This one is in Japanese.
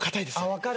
分かる。